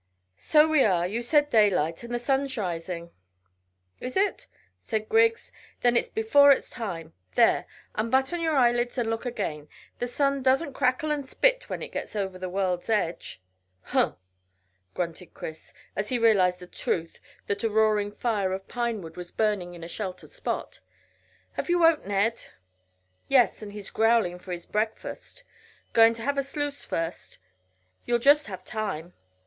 "So we are. You said daylight, and the sun's rising." "Is it?" said Griggs. "Then it's before its time. There, unbutton your eyelids and look again. The sun doesn't crackle and spit when it gets over the world's edge." "Humph!" grunted Chris, as he realised the truth that a roaring fire of pinewood was burning in a sheltered spot. "Have you woke Ned?" "Yes, and he's growling for his breakfast. Going to have a sluice first? You'll just have time."